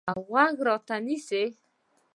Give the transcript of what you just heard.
اوغوږ راته نیسي